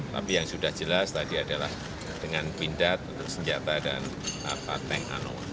tapi yang sudah jelas tadi adalah dengan pindad untuk senjata dan tank ano